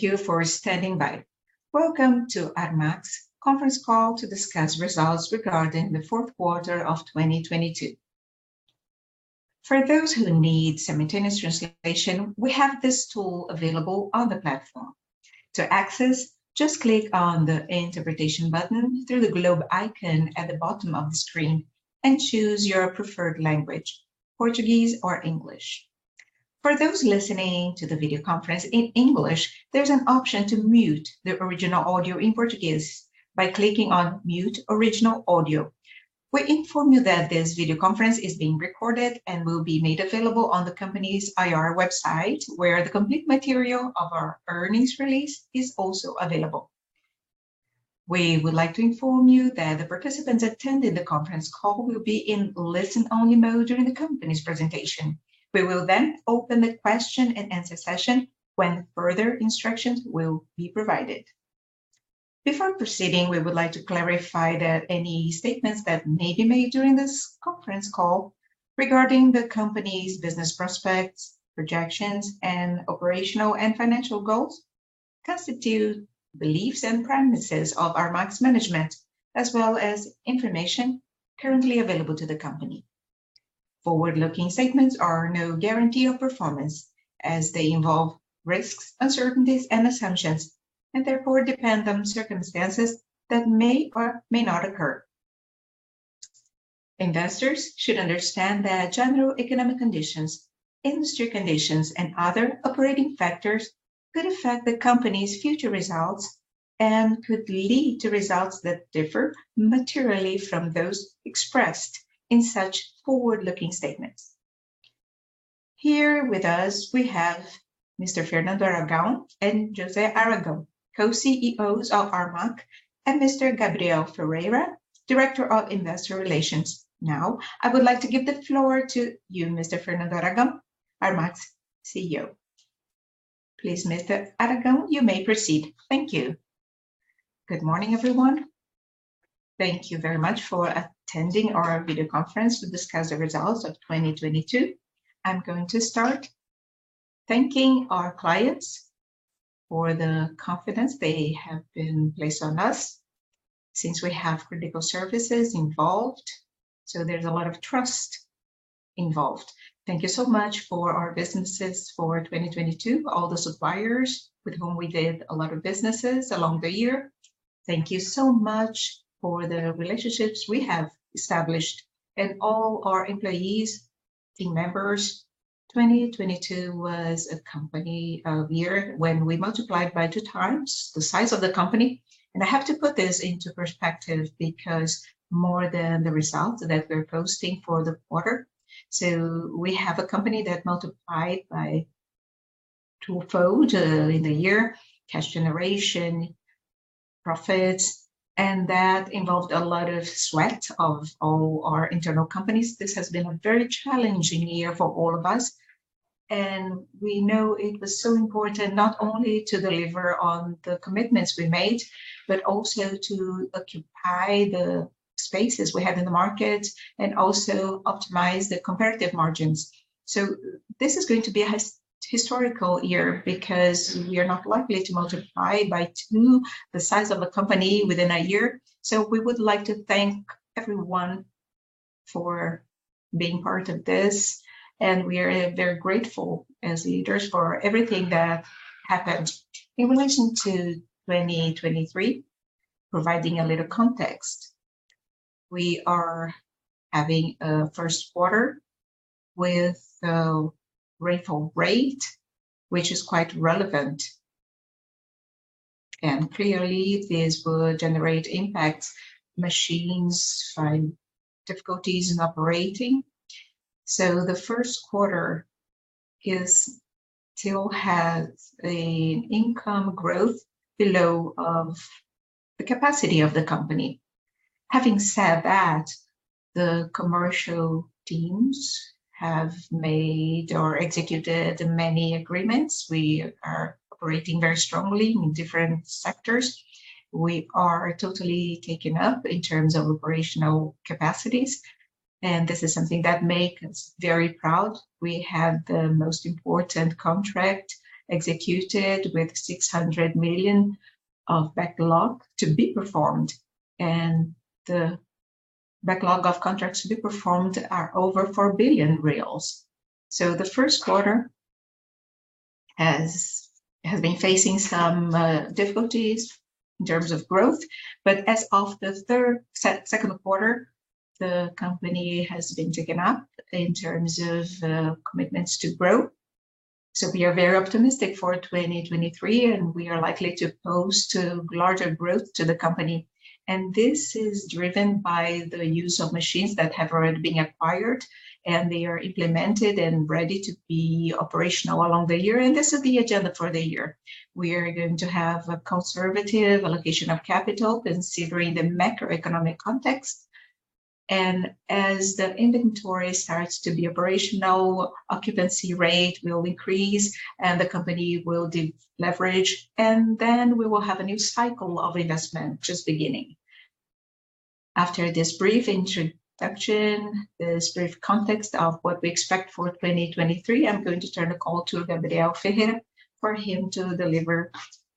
Thank you for standing by. Welcome to Armac's Conference Call to discuss Results Regarding the Fourth Quarter of 2022. For those who need simultaneous translation, we have this tool available on the platform. To access, just click on the Interpretation button through the globe icon at the bottom of the screen and choose your preferred language, Portuguese or English. For those listening to the video conference in English, there's an option to mute the original audio in Portuguese by clicking on Mute Original Audio. We inform you that this video conference is being recorded and will be made available on the company's IR website, where the complete material of our earnings release is also available. We would like to inform you that the participants attending the conference call will be in listen-only mode during the company's presentation. We will open the question-and-answer session when further instructions will be provided. Before proceeding, we would like to clarify that any statements that may be made during this conference call regarding the company's business prospects, projections, and operational and financial goals constitute beliefs and premises of Armac's management, as well as information currently available to the company. Forward-looking statements are no guarantee of performance as they involve risks, uncertainties and assumptions, and therefore depend on circumstances that may or may not occur. Investors should understand that general economic conditions, industry conditions, and other operating factors could affect the company's future results and could lead to results that differ materially from those expressed in such forward-looking statements. Here with us, we have Mr. Fernando Aragão and José Aragão, Co-CEOs of Armac, and Mr. Gabriel Ferreira, Director of Investor Relations. Now, I would like to give the floor to you, Mr. Fernando Aragão, Armac's CEO. Please, Mr. Aragão, you may proceed. Thank you. Good morning, everyone. Thank you very much for attending our video conference to discuss the Results of 2022. I'm going to start thanking our clients for the confidence they have been placed on us since we have critical services involved, so there's a lot of trust involved. Thank you so much for our businesses for 2022, all the suppliers with whom we did a lot of businesses along the year. Thank you so much for the relationships we have established and all our employees, team members. 2022 was a company year when we multiplied by times times the size of the company. I have to put this into perspective because more than the results that we're posting for the quarter. We have a company that multiplied by twofold in the year, cash generation, profits, and that involved a lot of sweat of all our internal companies. This has been a very challenging year for all of us, and we know it was so important not only to deliver on the commitments we made, but also to occupy the spaces we have in the market and also optimize the comparative margins. This is going to be a historical year because we are not likely to multiply by two the size of a company within a year. We would like to thank everyone for being part of this, and we are very grateful as leaders for everything that happened. In relation to 2023, providing a little context, we are having a first quarter with a rainfall rate which is quite relevant. Clearly, this will generate impacts, machines find difficulties in operating. The first quarter still has an income growth below of the capacity of the company. Having said that, the commercial teams have made or executed many agreements. We are operating very strongly in different sectors. We are totally taken up in terms of operational capacities, and this is something that make us very proud. We have the most important contract executed with 600 million of backlog to be performed, and the backlog of contracts to be performed are over 4 billion reais. The first quarter has been facing some difficulties in terms of growth. As of the second quarter, the company has been taken up in terms of commitments to grow. We are very optimistic for 2023, and we are likely to post larger growth to the company. This is driven by the use of machines that have already been acquired, and they are implemented and ready to be operational along the year. This is the agenda for the year. We are going to have a conservative allocation of capital considering the macroeconomic context. As the inventory starts to be operational, occupancy rate will increase and the company will deleverage, we will have a new cycle of investment just beginning. After this brief introduction, this brief context of what we expect for 2023, I'm going to turn the call to Gabriel Ferreira for him to deliver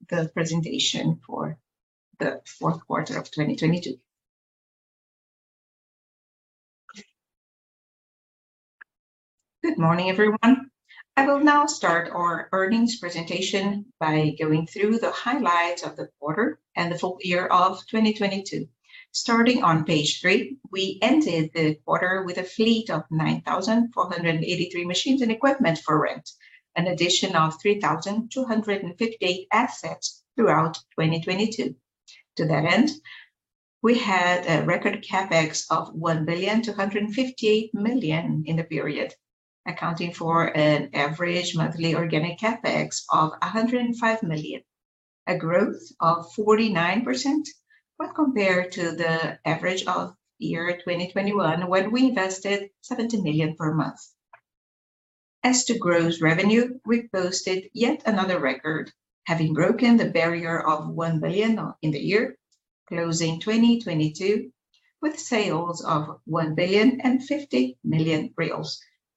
the presentation for the 4th quarter of 2022. Good morning, everyone. I will now start our earnings presentation by going through the highlights of the quarter and the full year of 2022. Starting on page three, we ended the quarter with a fleet of 9,483 machines and equipment for rent, an addition of 3,258 assets throughout 2022. To that end, we had a record CapEx of 1,258 million in the period, accounting for an average monthly organic CapEx of 105 million, a growth of 49% when compared to the average of year 2021 when we invested 70 million per month. As to gross revenue, we posted yet another record, having broken the barrier of 1 billion in the year, closing 2022 with sales of 1.05 billion,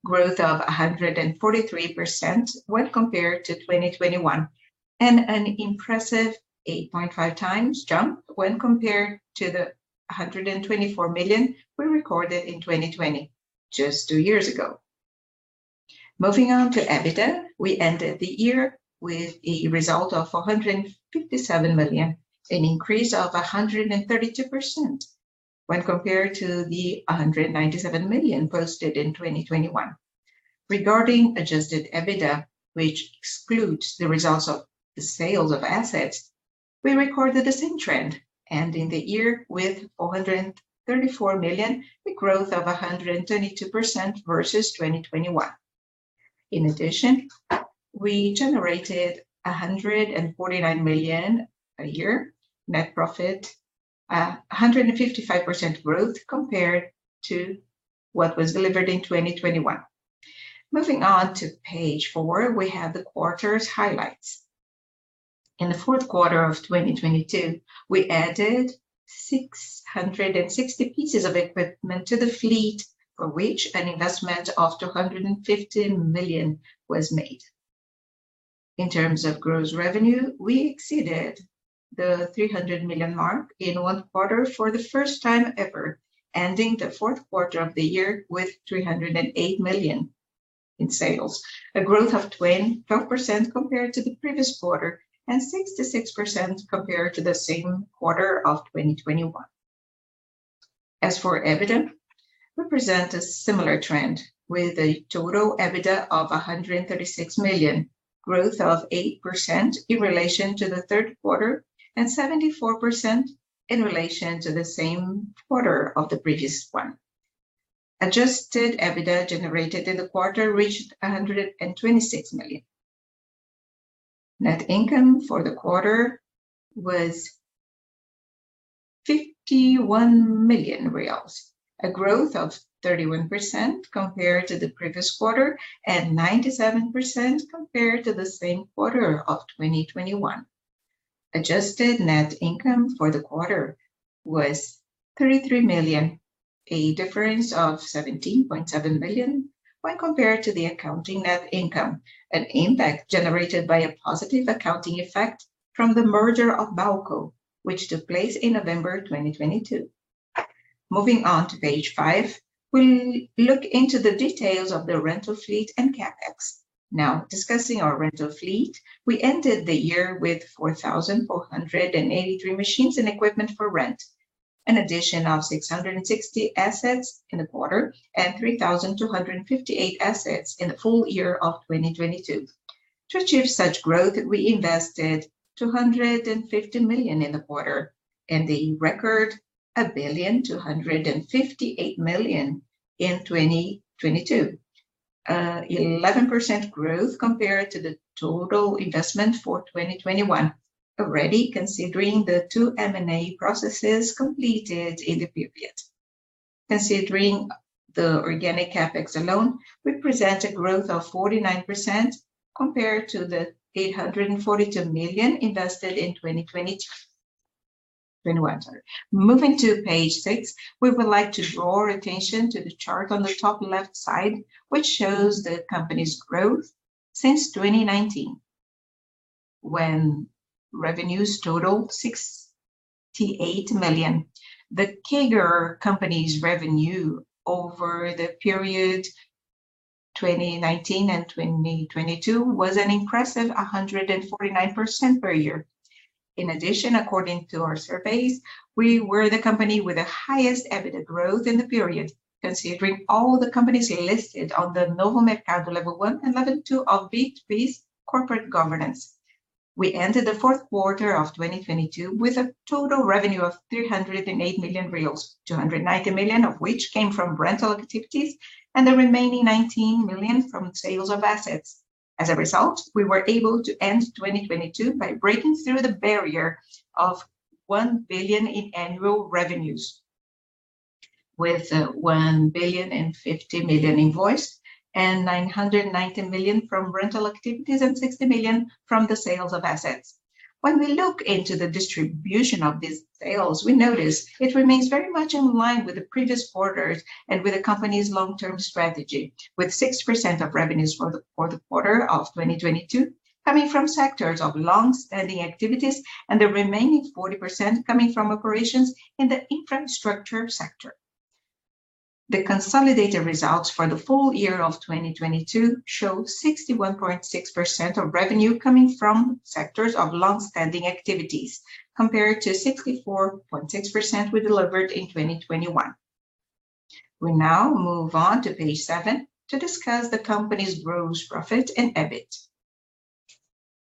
growth of 143% when compared to 2021, and an impressive 8.5x jump when compared to the 124 million we recorded in 2020, just two years ago. Moving on to EBITDA, we ended the year with a result of 457 million, an increase of 132% when compared to the 197 million posted in 2021. Regarding adjusted EBITDA, which excludes the results of the sales of assets, we recorded the same trend, ending the year with 434 million, a growth of 122% versus 2021. We generated 149 million a year net profit, 155% growth compared to what was delivered in 2021. We have the quarter's highlights. In the fourth quarter of 2022, we added 660 pieces of equipment to the fleet, for which an investment of 250 million was made. We exceeded the 300 million mark in one quarter for the first time ever, ending the fourth quarter of the year with 308 million in sales, a growth of 12% compared to the previous quarter and 66% compared to the same quarter of 2021. As for EBITDA, we present a similar trend with a total EBITDA of 136 million, growth of 8% in relation to the third quarter and 74% in relation to the same quarter of the previous one. Adjusted EBITDA generated in the quarter reached 126 million. Net income for the quarter was 51 million reais, a growth of 31% compared to the previous quarter and 97% compared to the same quarter of 2021. Adjusted net income for the quarter was 33 million, a difference of 17.7 million when compared to the accounting net income, an impact generated by a positive accounting effect from the merger of BAUKO, which took place in November 2022. Moving on to page five, we look into the details of the rental fleet and CapEx. Discussing our rental fleet, we ended the year with 4,483 machines and equipment for rent, an addition of 660 assets in the quarter and 3,258 assets in the full year of 2022. To achieve such growth, we invested 250 million in the quarter and a record of 1,258 million in 2022. 11% growth compared to the total investment for 2021, already considering the two M&A processes completed in the period. Considering the organic CapEx alone, we present a growth of 49% compared to the 842 million invested in 2021, sorry. Moving to page six, we would like to draw our attention to the chart on the top left side, which shows the company's growth since 2019 when revenues totaled 68 million. The CAGR company's revenue over the period 2019 and 2022 was an impressive 149% per year. According to our surveys, we were the company with the highest EBITDA growth in the period, considering all the companies listed on the Novo Mercado, Nível 1 and Nível 2 of B3's corporate governance. We ended the fourth quarter of 2022 with a total revenue of 308 million reais, 290 million of which came from rental activities and the remaining 19 million from sales of assets. As a result, we were able to end 2022 by breaking through the barrier of 1 billion in annual revenues. With one billion and 50 million invoice and 990 million from rental activities and 60 million from the sales of assets. When we look into the distribution of these sales, we notice it remains very much in line with the previous quarters and with the company's long-term strategy, with 6% of revenues for the quarter of 2022 coming from sectors of longstanding activities and the remaining 40% coming from operations in the infrastructure sector. The consolidated results for the full year of 2022 show 61.6% of revenue coming from sectors of longstanding activities, compared to 64.6% we delivered in 2021. We now move on to page seven to discuss the company's gross profit and EBIT.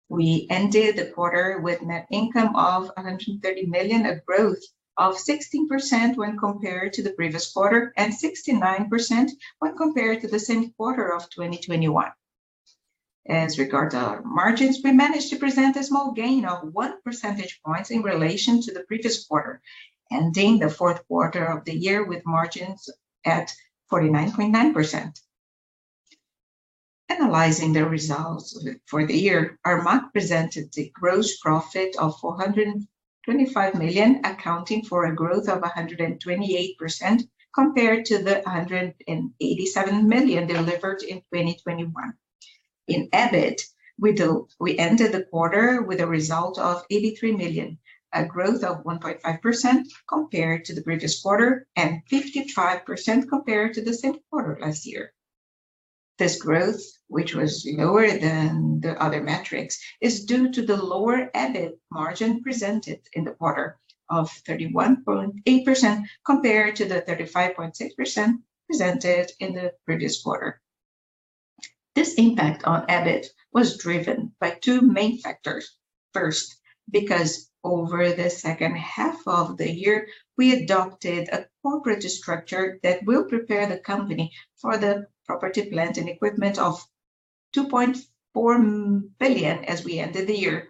We ended the quarter with net income of 130 million, a growth of 16% when compared to the previous quarter and 69% when compared to the same quarter of 2021. As regard to our margins, we managed to present a small gain of 1 percentage points in relation to the previous quarter, ending the fourth quarter of the year with margins at 49.9%. Analyzing the results for the year, Armac presented a gross profit of 425 million, accounting for a growth of 128% compared to the 187 million delivered in 2021. In EBIT, we ended the quarter with a result of 83 million, a growth of 1.5% compared to the previous quarter and 55% compared to the same quarter last year. This growth, which was lower than the other metrics, is due to the lower EBIT margin presented in the quarter of 31.8% compared to the 35.6% presented in the previous quarter. This impact on EBIT was driven by two main factors. First, because over the second half of the year, we adopted a corporate structure that will prepare the company for the property, plant, and equipment of 2.4 billion as we ended the year.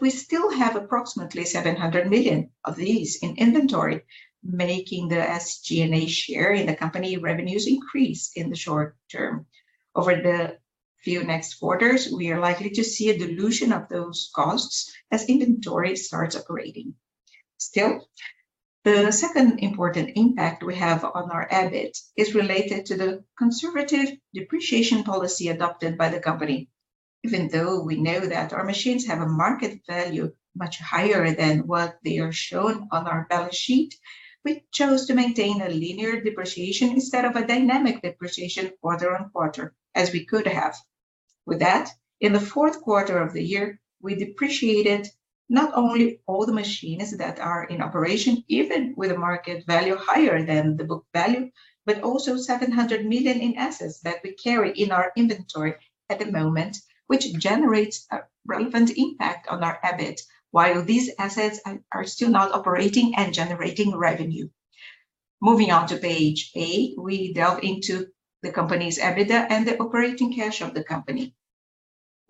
We still have approximately 700 million of these in inventory, making the SG&A share in the company revenues increase in the short term. Over the few next quarters, we are likely to see a dilution of those costs as inventory starts operating. The second important impact we have on our EBIT is related to the conservative depreciation policy adopted by the company. Even though we know that our machines have a market value much higher than what they are shown on our balance sheet, we chose to maintain a linear depreciation instead of a dynamic depreciation quarter on quarter as we could have. In the fourth quarter of the year, we depreciated not only all the machines that are in operation, even with a market value higher than the book value, but also 700 million in assets that we carry in our inventory at the moment, which generates a relevant impact on our EBIT while these assets are still not operating and generating revenue. Moving on to page eight, we delve into the company's EBITDA and the operating cash of the company.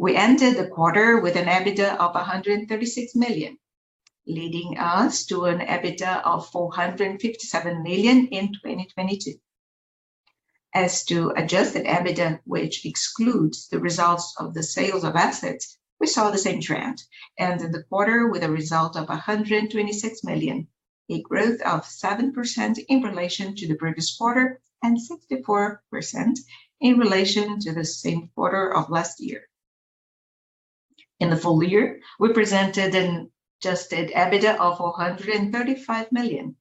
We ended the quarter with an EBITDA of 136 million, leading us to an EBITDA of 457 million in 2022. As to adjusted EBITDA, which excludes the results of the sales of assets, we saw the same trend, ended the quarter with a result of 126 million, a growth of 7% in relation to the previous quarter and 64% in relation to the same quarter of last year. In the full year, we presented an adjusted EBITDA of 435 million,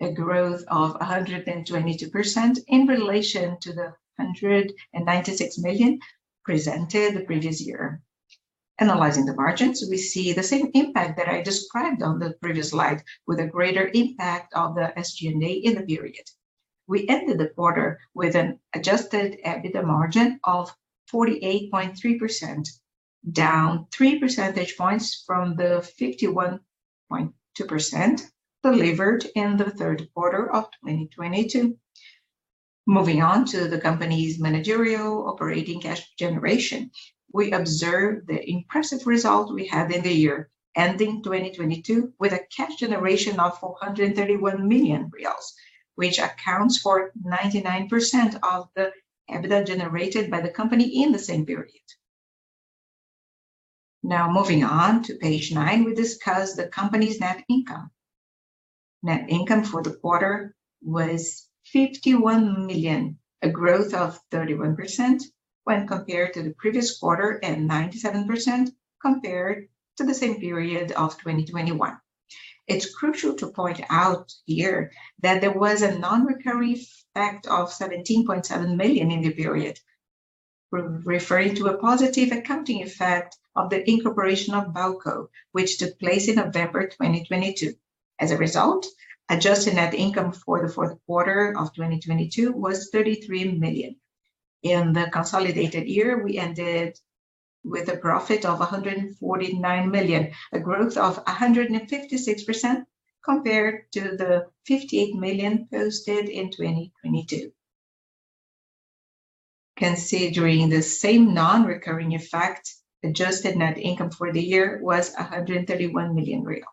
a growth of 122% in relation to the 196 million presented the previous year. Analyzing the margins, we see the same impact that I described on the previous slide with a greater impact of the SG&A in the period. We ended the quarter with an adjusted EBITDA margin of 48.3%, down three percentage points from the 51.2% delivered in the third quarter of 2022. Moving on to the company's managerial operating cash generation, we observe the impressive result we have in the year ending 2022 with a cash generation of BRL 431 million, which accounts for 99% of the EBITDA generated by the company in the same period. Moving on to page nine, we discuss the company's net income. Net income for the quarter was 51 million, a growth of 31% when compared to the previous quarter and 97% compared to the same period of 2021. It's crucial to point out here that there was a non-recurring effect of 17.7 million in the period. We're referring to a positive accounting effect of the incorporation of BAUKO, which took place in November 2022. As a result, adjusted net income for the fourth quarter of 2022 was 33 million. In the consolidated year, we ended with a profit of 149 million, a growth of 156% compared to the 58 million posted in 2022. Considering the same non-recurring effect, adjusted net income for the year was 131 million real.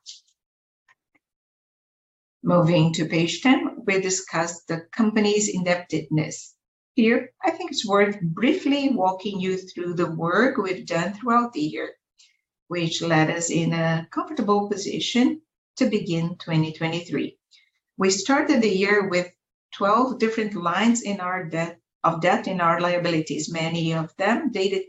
Moving to page 10, we discuss the company's indebtedness. Here, I think it's worth briefly walking you through the work we've done throughout the year, which led us in a comfortable position to begin 2023. We started the year with 12 different lines of debt in our liabilities. Many of them dated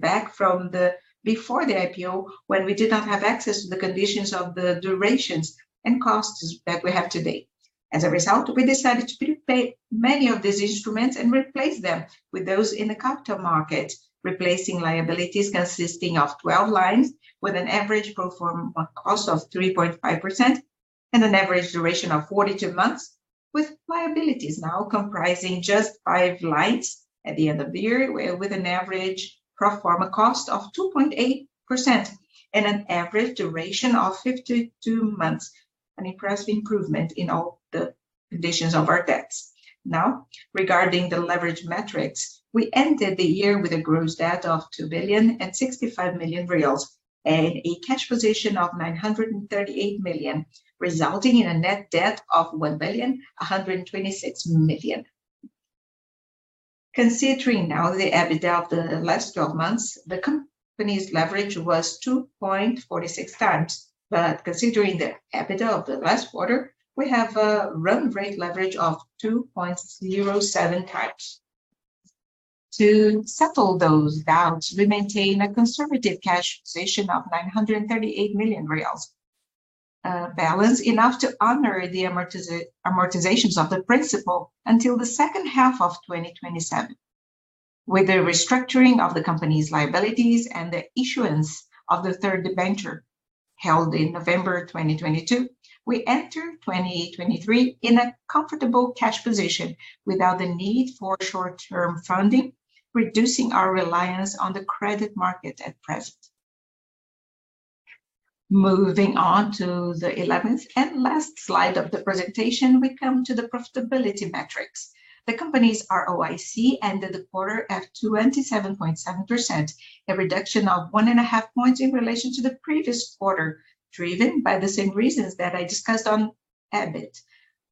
back from the before the IPO, when we did not have access to the conditions of the durations and costs that we have today. As a result, we decided to prepay many of these instruments and replace them with those in the capital market, replacing liabilities consisting of 12 lines with an average pro forma cost of 3.5% and an average duration of 42 months, with liabilities now comprising just five lines at the end of the year, with an average pro forma cost of 2.8% and an average duration of 52 months, an impressive improvement in all the conditions of our debts. Regarding the leverage metrics, we ended the year with a gross debt of 2,065 million reais and a cash position of 938 million, resulting in a net debt of 1,126 million. Considering now the EBITDA of the last 12 months, the company's leverage was 2.46 times. Considering the EBITDA of the last quarter, we have a run rate leverage of 2.07 times. To settle those doubts, we maintain a conservative cash position of 938 million reais, balance enough to honor the amortizations of the principal until the second half of 2027. With the restructuring of the company's liabilities and the issuance of the third debenture held in November 2022, we enter 2023 in a comfortable cash position without the need for short-term funding, reducing our reliance on the credit market at present. Moving on to the 11th and last slide of the presentation, we come to the profitability metrics. The company's ROIC ended the quarter at 27.7%, a reduction of one and a half points in relation to the previous quarter, driven by the same reasons that I discussed on EBIT,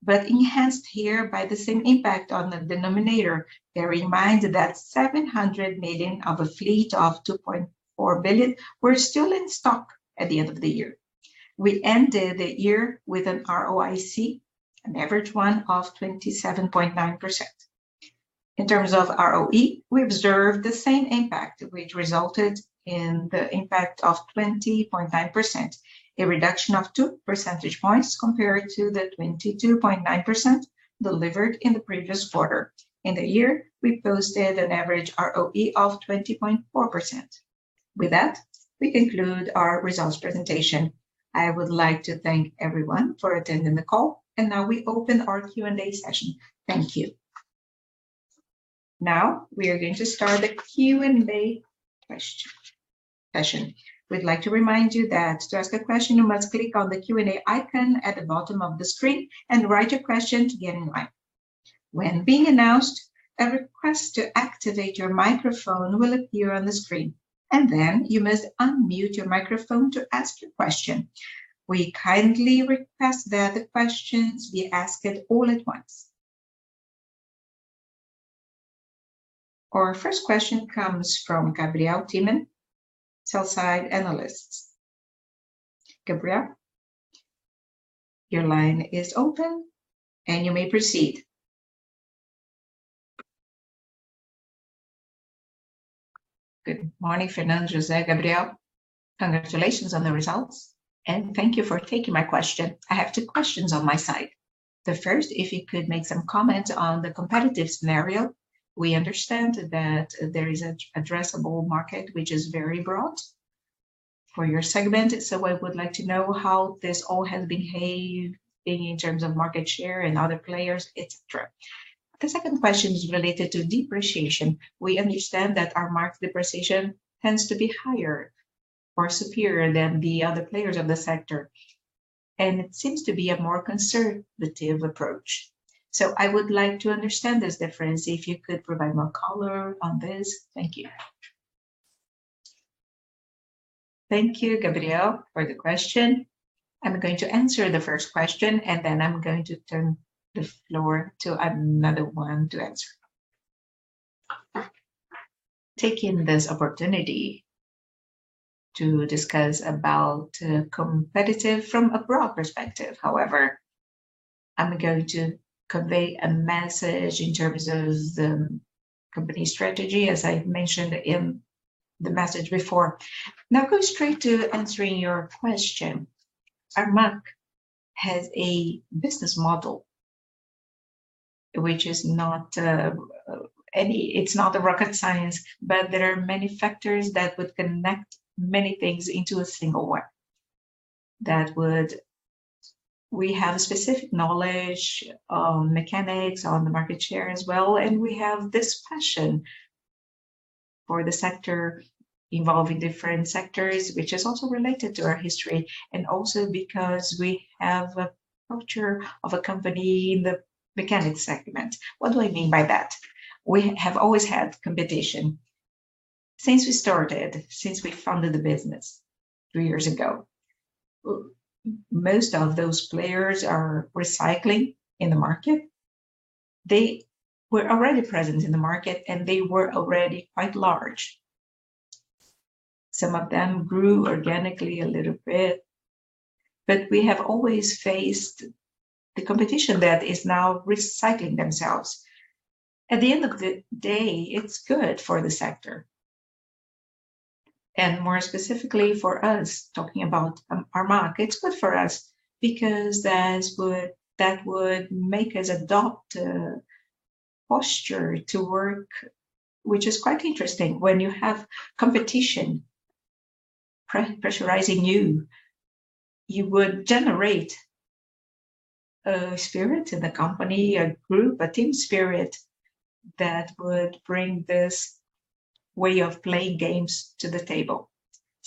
but enhanced here by the same impact on the denominator. Bear in mind that 700 million of a fleet of 2.4 billion were still in stock at the end of the year. We ended the year with an ROIC, an average one of 27.9%. In terms of ROE, we observed the same impact which resulted in the impact of 20.9%, a reduction of two percentage points compared to the 22.9% delivered in the previous quarter. In the year, we posted an average ROE of 20.4%. We conclude our results presentation. I would like to thank everyone for attending the call, we open our Q&A session. Thank you. We are going to start the Q&A question. We'd like to remind you that to ask a question, you must click on the Q&A icon at the bottom of the screen and write your question to get in line. When being announced, a request to activate your microphone will appear on the screen, you must unmute your microphone to ask your question. We kindly request that the questions be asked all at once. Our first question comes from Gabriel Thimann, sell-side analyst. Gabriel, your line is open, you may proceed. Good morning, Fernando, José, Gabriel. Congratulations on the results, thank you for taking my question. I have two questions on my side. The first, if you could make some comment on the competitive scenario. We understand that there is an addressable market which is very broad for your segment. I would like to know how this all has behaved in terms of market share and other players, et cetera. The second question is related to depreciation. We understand that our market depreciation tends to be higher or superior than the other players of the sector, it seems to be a more conservative approach. I would like to understand this difference if you could provide more color on this. Thank you. Thank you, Gabriel, for the question. I'm going to answer the first question, and then I'm going to turn the floor to another one to answer. Taking this opportunity to discuss about competitive from a broad perspective. However, I'm going to convey a message in terms of the company strategy, as I mentioned in the message before. Going straight to answering your question, Armac has a business model which is not, it's not a rocket science, but there are many factors that would connect many things into a single one that would. We have specific knowledge on mechanics, on the market share as well. We have this passion for the sector involved in different sectors, which is also related to our history, and also because we have a culture of a company in the mechanic segment. What do I mean by that? We have always had competition since we started, since we founded the business three years ago. Most of those players are recycling in the market. They were already present in the market. They were already quite large. Some of them grew organically a little bit. We have always faced the competition that is now recycling themselves. At the end of the day, it's good for the sector and more specifically for us, talking about our market. It's good for us because that would make us adopt a posture to work, which is quite interesting. When you have competition pre-pressurizing you would generate a spirit in the company, a group, a team spirit that would bring this way of playing games to the table.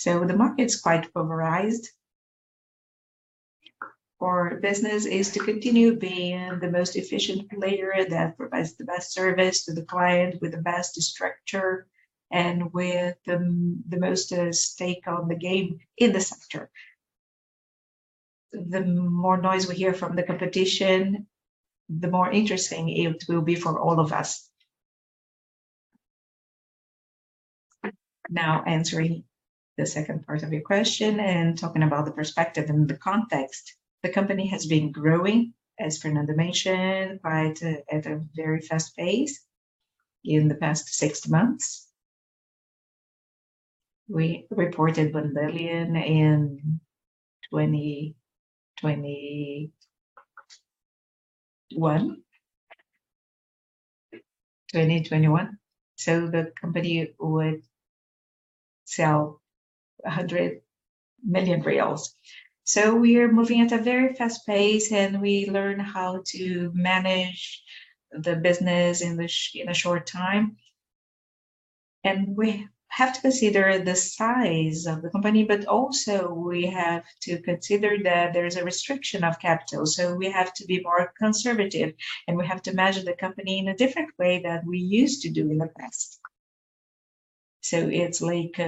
The market's quite polarized. Our business is to continue being the most efficient player that provides the best service to the client with the best structure and with the most at stake on the game in the sector. The more noise we hear from the competition, the more interesting it will be for all of us. Now answering the second part of your question and talking about the perspective and the context. The company has been growing, as Fernando mentioned, at a very fast pace in the past six months. We reported 1 billion in 2021. The company would sell 100 million. We are moving at a very fast pace. We learn how to manage the business in a short time. We have to consider the size of the company, but also we have to consider that there is a restriction of capital. We have to be more conservative, and we have to manage the company in a different way than we used to do in the past. It's like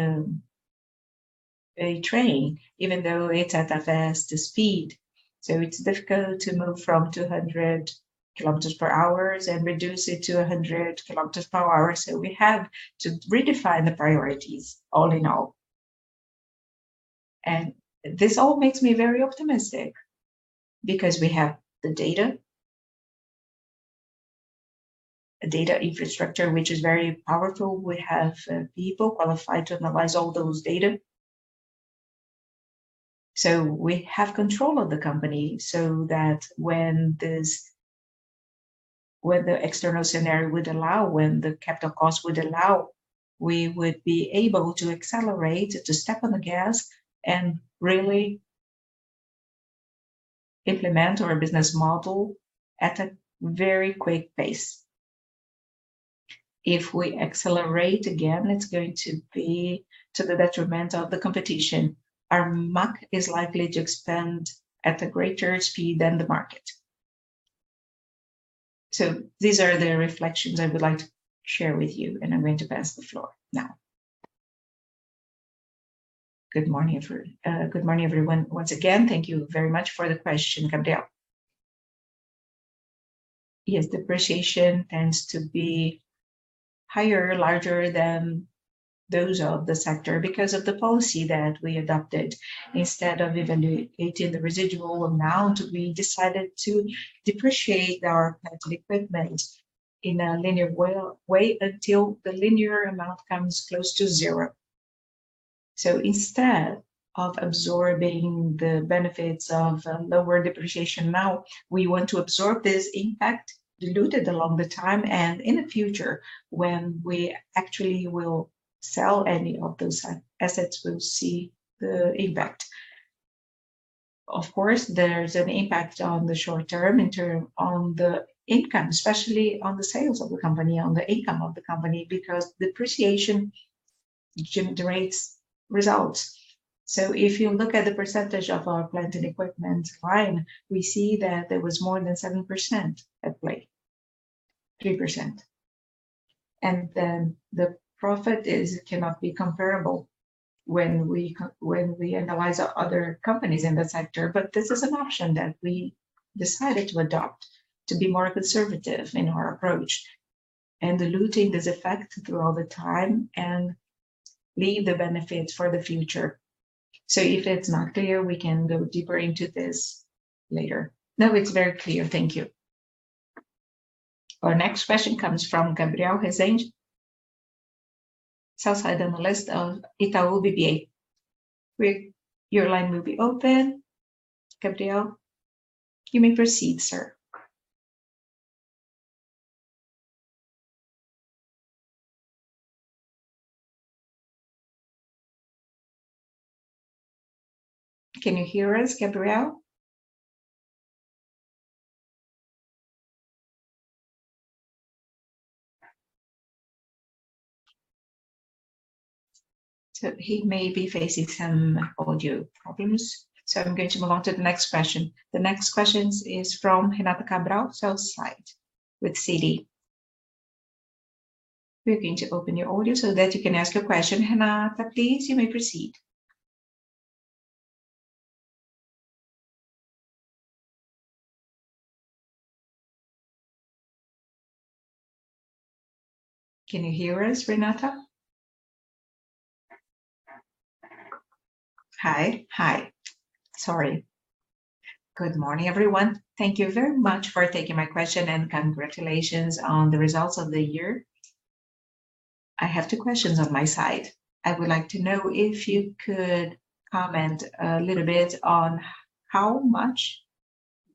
a train, even though it's at a faster speed. It's difficult to move from 200 km per hour and reduce it to 100 km per hour. We have to redefine the priorities all in all. This all makes me very optimistic because we have the data, a data infrastructure which is very powerful. We have people qualified to analyze all those data. We have control of the company so that when the external scenario would allow, when the capital cost would allow, we would be able to accelerate, to step on the gas, and really implement our business model at a very quick pace. If we accelerate again, it's going to be to the detriment of the competition. Our market is likely to expand at a greater speed than the market. These are the reflections I would like to share with you, and I'm going to pass the floor now. Good morning, everyone. Once again, thank you very much for the question, Gabriel. Yes, depreciation tends to be higher, larger than those of the sector because of the policy that we adopted. Instead of evaluating the residual amount, we decided to depreciate our plant equipment in a linear way until the linear amount comes close to zero. Instead of absorbing the benefits of lower depreciation now, we want to absorb this impact diluted along the time. In the future, when we actually will sell any of those assets, we'll see the impact. Of course, there's an impact on the short term on the income, especially on the sales of the company, on the income of the company, because depreciation generates results. If you look at the percentage of our plant and equipment line, we see that there was more than 7% at play, 3%. The profit is cannot be comparable when we analyze other companies in the sector. This is an option that we decided to adopt to be more conservative in our approach and diluting this effect through all the time and leave the benefits for the future. If it's not clear, we can go deeper into this later. No, it's very clear. Thank you. Our next question comes from Gabriel Rezende, sell-side analyst of Itaú BBA. Your line will be open. Gabriel, you may proceed, sir. Can you hear us, Gabriel? He may be facing some audio problems, so I'm going to move on to the next question. The next questions is from Renata Cabral, sell-side with Citi. We're going to open your audio so that you can ask your question. Renata, please, you may proceed. Can you hear us, Renata? Hi. Sorry. Good morning, everyone. Thank you very much for taking my question, and congratulations on the results of the year. I have two questions on my side. I would like to know if you could comment a little bit on how much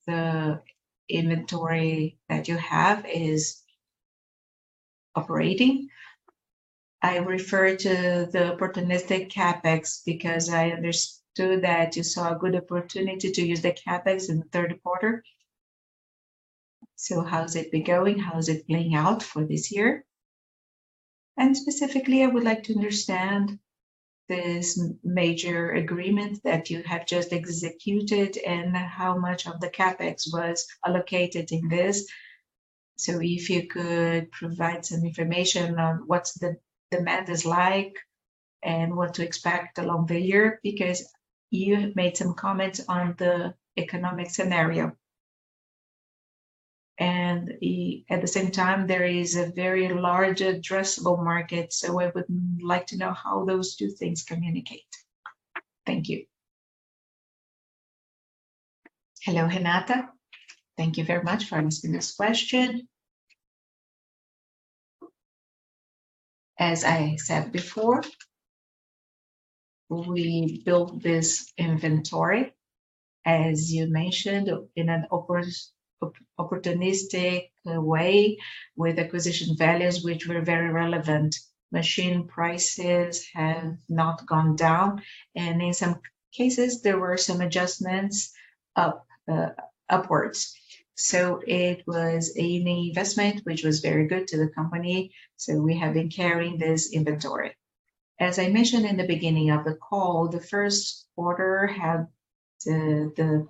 the inventory that you have is operating. I refer to the opportunistic CapEx because I understood that you saw a good opportunity to use the CapEx in the third quarter. How has it been going? How is it playing out for this year? Specifically, I would like to understand this major agreement that you have just executed and how much of the CapEx was allocated in this. If you could provide some information on what's the demand is like and what to expect along the year, because you made some comments on the economic scenario. At the same time, there is a very large addressable market, so I would like to know how those two things communicate. Thank you. Hello, Renata. Thank you very much for asking this question. As I said before, we built this inventory, as you mentioned, in an opportunistic way with acquisition values which were very relevant. Machine prices have not gone down, and in some cases, there were some adjustments up, upwards. It was an investment which was very good to the company, so we have been carrying this inventory. As I mentioned in the beginning of the call, the first quarter had the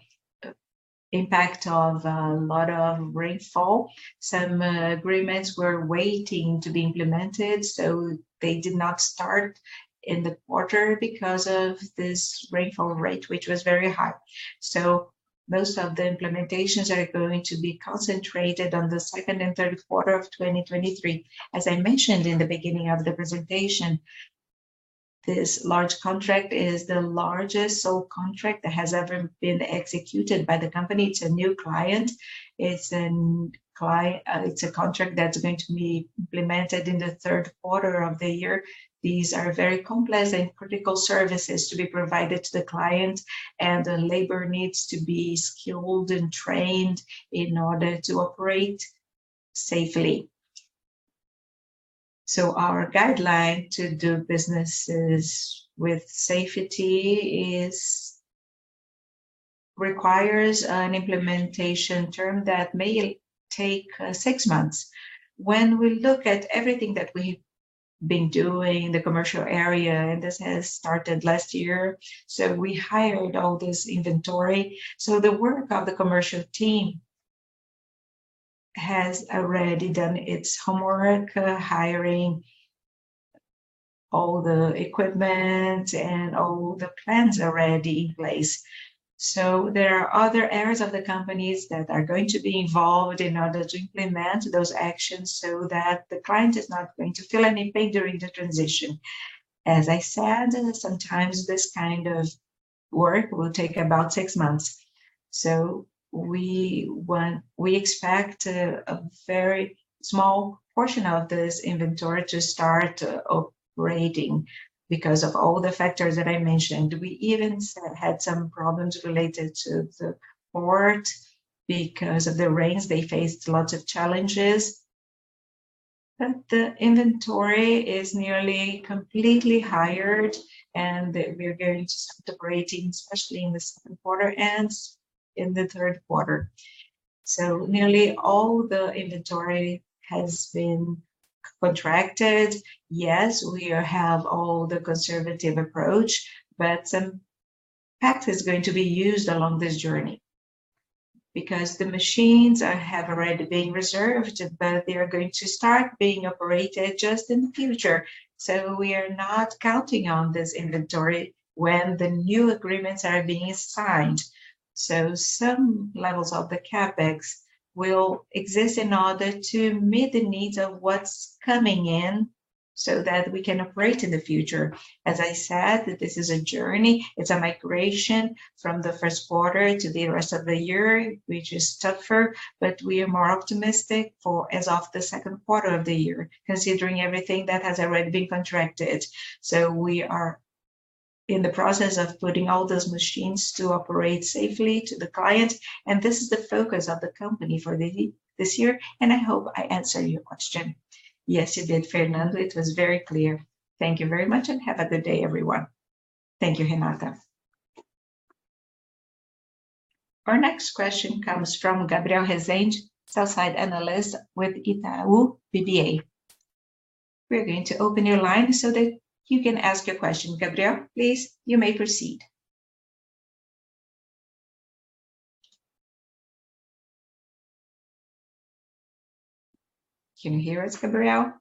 impact of a lot of rainfall. Some agreements were waiting to be implemented, so they did not start in the quarter because of this rainfall rate, which was very high. Most of the implementations are going to be concentrated on the second and third quarter of 2023. As I mentioned in the beginning of the presentation, this large contract is the largest sole contract that has ever been executed by the company. It's a new client. It's a contract that's going to be implemented in the third quarter of the year. These are very complex and critical services to be provided to the client, and the labor needs to be skilled and trained in order to operate safely. Our guideline to do businesses with safety requires an implementation term that may take six months. When we look at everything that we've been doing, the commercial area, and this has started last year, so we hired all this inventory. The work of the commercial team has already done its homework, hiring all the equipment and all the plans already in place. There are other areas of the companies that are going to be involved in order to implement those actions so that the client is not going to feel anything during the transition. As I said, sometimes this kind of work will take about six months. We expect a very small portion of this inventory to start operating because of all the factors that I mentioned. We even had some problems related to the port. Because of the rains, they faced lots of challenges. The inventory is nearly completely hired, and we're going to start operating, especially in the second quarter and in the third quarter. Nearly all the inventory has been contracted. Yes, we have all the conservative approach. Some CapEx is going to be used along this journey because the machines have already been reserved. They are going to start being operated just in the future. We are not counting on this inventory when the new agreements are being signed. Some levels of the CapEx will exist in order to meet the needs of what's coming in so that we can operate in the future. As I said, this is a journey. It's a migration from the first quarter to the rest of the year, which is tougher. We are more optimistic for as of the second quarter of the year, considering everything that has already been contracted. We are in the process of putting all those machines to operate safely to the client. This is the focus of the company for this year. I hope I answered your question. Yes, you did, Fernando. It was very clear. Thank you very much. Have a good day, everyone. Thank you, Renata. Our next question comes from Gabriel Rezende, sell-side analyst with Itaú BBA. We're going to open your line so that you can ask your question. Gabriel, please, you may proceed. Can you hear us, Gabriel?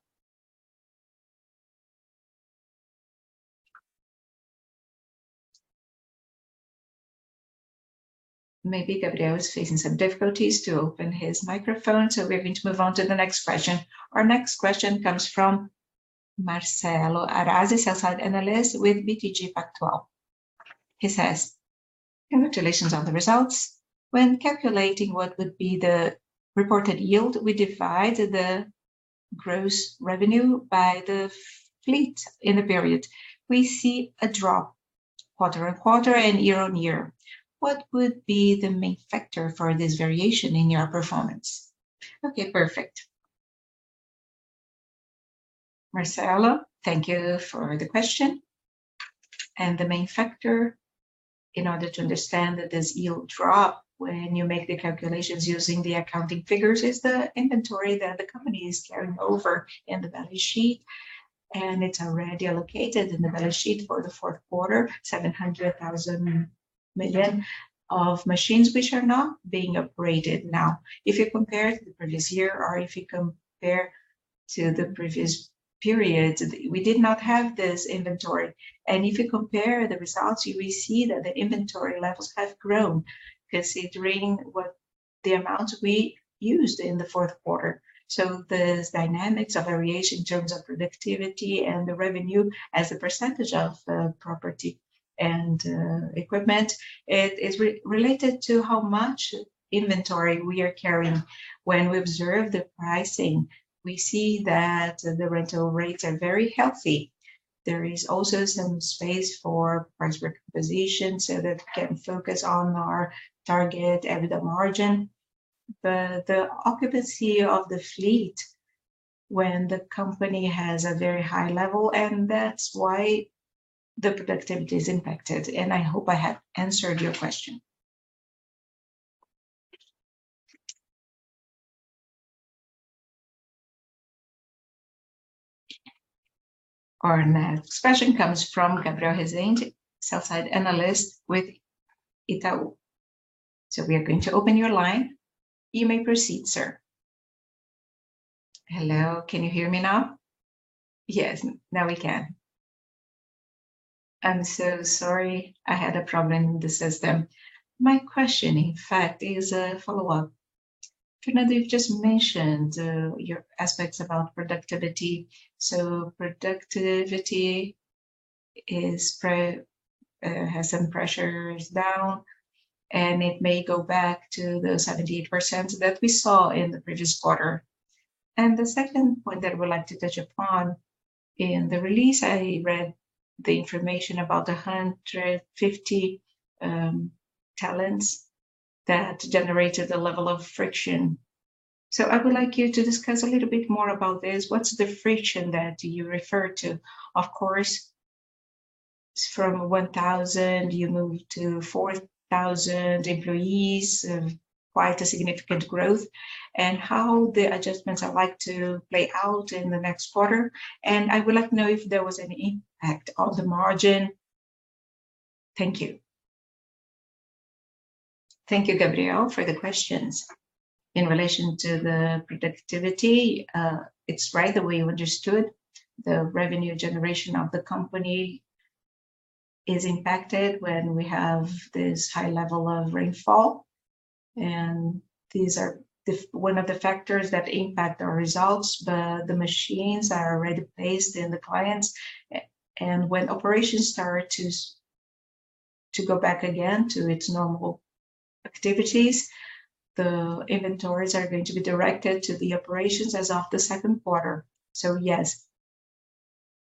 Maybe Gabriel is facing some difficulties to open his microphone. We're going to move on to the next question. Our next question comes from Marcelo Arazi, a sell-side analyst with BTG Pactual. He says, "Congratulations on the results. When calculating what would be the reported yield, we divide the gross revenue by the fleet in the period. We see a drop quarter-over-quarter and year-over-year. What would be the main factor for this variation in your performance? Okay, perfect. Marcelo, thank you for the question. The main factor in order to understand that this yield drop when you make the calculations using the accounting figures is the inventory that the company is carrying over in the balance sheet, and it's already allocated in the balance sheet for the fourth quarter, 700,000 million of machines which are not being operated now. If you compare to the previous year or if you compare to the previous periods, we did not have this inventory. If you compare the results, you will see that the inventory levels have grown considering what the amount we used in the fourth quarter. The dynamics of variation in terms of productivity and the revenue as a % of property and equipment, it is related to how much inventory we are carrying. When we observe the pricing, we see that the rental rates are very healthy. There is also some space for price recomposition so that we can focus on our target EBITDA margin. The occupancy of the fleet when the company has a very high level, and that's why the productivity is impacted. I hope I have answered your question. Our next question comes from Gabriel Rezende, sell-side analyst with Itaú. We are going to open your line. You may proceed, sir. Hello. Can you hear me now? Yes. Now we can. I'm so sorry. I had a problem in the system. My question, in fact, is a follow-up. Fernando, you've just mentioned your aspects about productivity. Productivity has some pressures down, and it may go back to the 78% that we saw in the previous quarter. The second point that I would like to touch upon, in the release, I read the information about the 150 talents that generated a level of friction. I would like you to discuss a little bit more about this. What's the friction that you refer to? Of course, from 1,000 you moved to 4,000 employees, quite a significant growth, and how the adjustments are like to play out in the next quarter. I would like to know if there was any impact on the margin. Thank you. Thank you, Gabriel, for the questions. In relation to the productivity, it's right that we understood the revenue generation of the company is impacted when we have this high level of rainfall. These are one of the factors that impact our results. The machines are already placed in the clients. When operations start to go back again to its normal activities, the inventories are going to be directed to the operations as of the second quarter. Yes,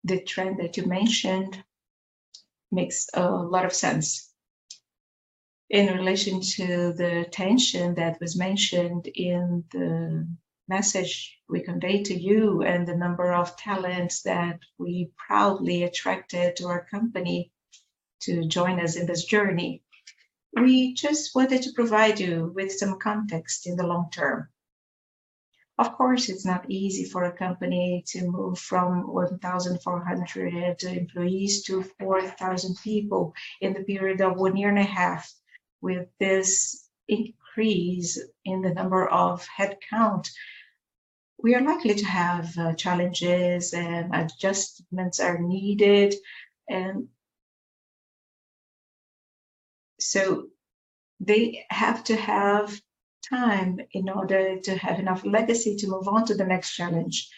the trend that you mentioned makes a lot of sense. In relation to the tension that was mentioned in the message we conveyed to you and the number of talents that we proudly attracted to our company to join us in this journey, we just wanted to provide you with some context in the long term. Of course, it's not easy for a company to move from 1,400 employees to 4,000 people in the period of one year and a half. With this increase in the number of headcount, we are likely to have challenges, and adjustments are needed. They have to have time in order to have enough legacy to move on to the next challenge.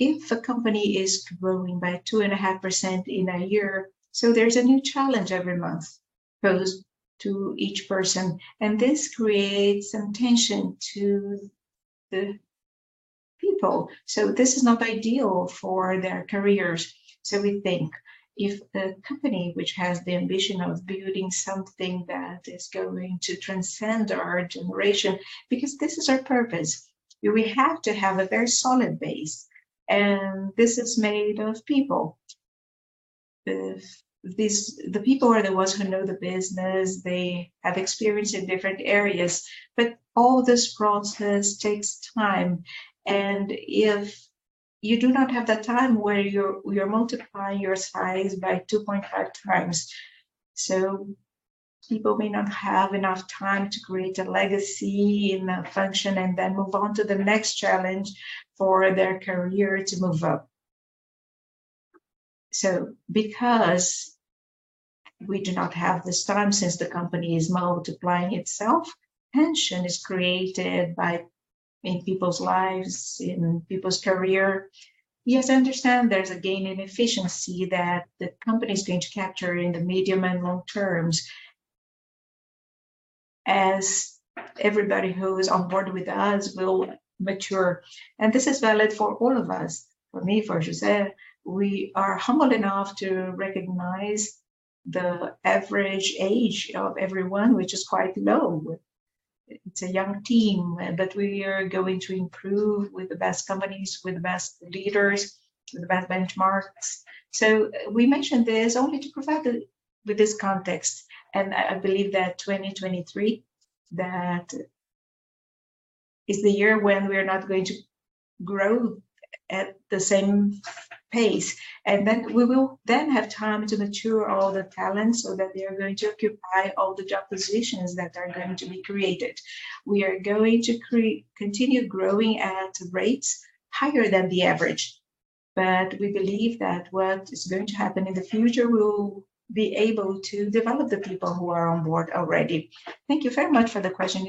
If a company is growing by 2.5% in a year, so there's a new challenge every month posed to each person, and this creates some tension to the people. This is not ideal for their careers. We think if the company which has the ambition of building something that is going to transcend our generation, because this is our purpose, we have to have a very solid base, and this is made of people. The people are the ones who know the business, they have experience in different areas. All this process takes time, and if you do not have that time where you're multiplying your size by 2.5 times. People may not have enough time to create a legacy in that function and then move on to the next challenge for their career to move up. Because we do not have this time, since the company is multiplying itself, tension is created by in people's lives, in people's career. Yes, I understand there's a gain in efficiency that the company is going to capture in the medium and long terms as everybody who is on board with us will mature. This is valid for all of us. For me, for José, we are humble enough to recognize the average age of everyone, which is quite low. It's a young team. We are going to improve with the best companies, with the best leaders, with the best benchmarks. We mentioned this only to provide with this context, and I believe that 2023, that is the year when we are not going to grow at the same pace. We will then have time to mature all the talent so that they are going to occupy all the job positions that are going to be created. We are going to continue growing at rates higher than the average, but we believe that what is going to happen in the future, we will be able to develop the people who are on board already. Thank you very much for the question.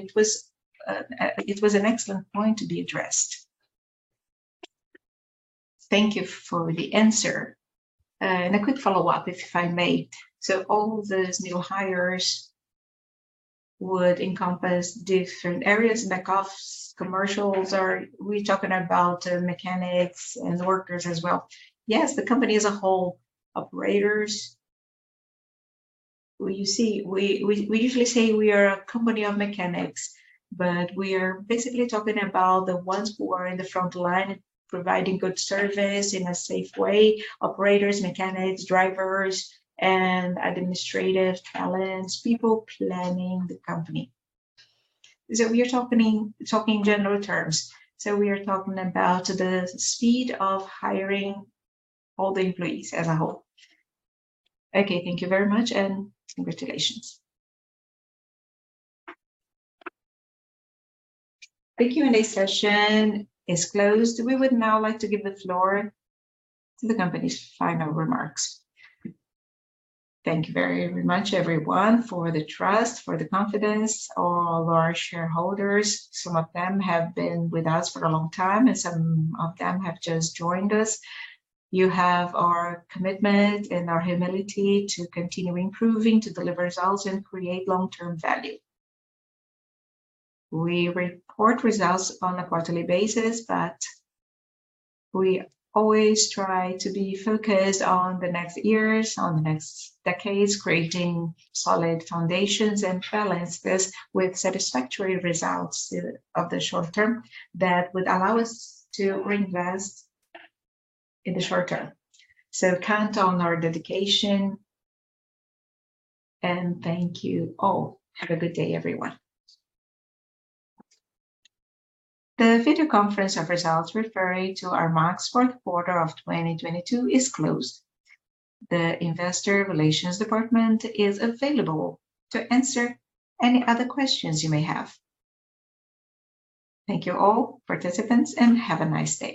It was an excellent point to be addressed. Thank you for the answer. A quick follow-up, if I may. All these new hires would encompass different areas, back office, commercials, or are we talking about mechanics and workers as well? Yes. The company as a whole. Operators. Well, you see, we usually say we are a company of mechanics, but we are basically talking about the ones who are in the front line providing good service in a safe way. Operators, mechanics, drivers, and administrative talents, people planning the company. We are talking in general terms. We are talking about the speed of hiring all the employees as a whole. Okay. Thank you very much and congratulations. The Q&A session is closed. We would now like to give the floor to the company's final remarks. Thank you very much, everyone, for the trust, for the confidence. All our shareholders, some of them have been with us for a long time, and some of them have just joined us. You have our commitment and our humility to continue improving, to deliver results, and create long-term value. We report results on a quarterly basis, but we always try to be focused on the next years, on the next decades, creating solid foundations and balance this with satisfactory results of the short term that would allow us to reinvest in the short term. Count on our dedication, and thank you all. Have a good day, everyone. The video conference of results referring to Armac's FourthQuarter of 2022 is closed. The investor relations department is available to answer any other questions you may have. Thank you all participants, and have a nice day.